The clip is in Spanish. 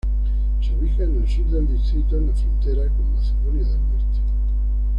Se ubica en el sur del distrito, en la frontera con Macedonia del Norte.